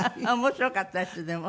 面白かったでしょ？